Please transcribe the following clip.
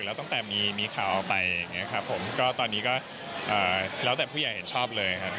แล้วตั้งแต่มีข่าวออกไปตอนนี้ก็แล้วแต่ผู้ใหญ่ชอบเลยครับ